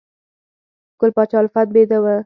ګل پاچا الفت بیده و